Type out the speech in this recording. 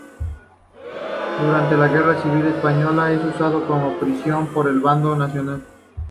Durante la Guerra Civil Española es usado como prisión por el bando nacional.